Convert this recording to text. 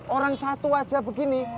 orang satu aja begini